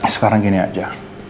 sekarang gini aja